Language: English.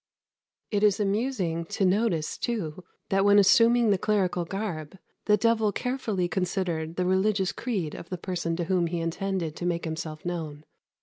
] It is amusing to notice, too, that when assuming the clerical garb, the devil carefully considered the religious creed of the person to whom he intended to make himself known.